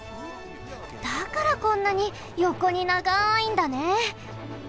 だからこんなによこにながいんだね。